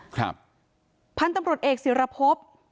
พันธุ์ตำรวจเอกศิรพบ